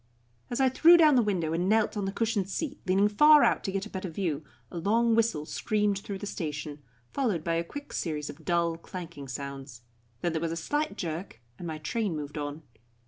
As I threw down the window and knelt on the cushioned seat, leaning far out to get a better view, a long whistle screamed through the station, followed by a quick series of dull, clanking sounds; then there was a slight jerk, and my train moved on.